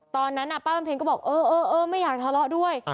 ตอนนั้นป้าบำเพ็ญก็บอกเออไม่อยากทะเลาะด้วย